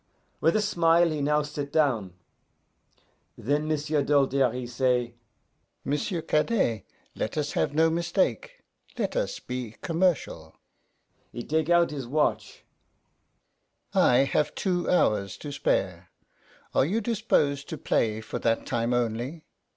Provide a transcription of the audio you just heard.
With a smile he now sit down. Then M'sieu' Doltaire, he say, 'M'sieu' Cadet, let us have no mistake let us be commercial.' He take out his watch. 'I have two hours to spare; are you dispose to play for that time only?